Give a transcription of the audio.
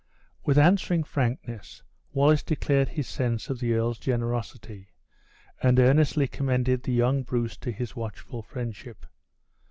With answering frankness, Wallace declared his sense of the earl's generosity; and earnestly commended the young Bruce to his watchful friendship.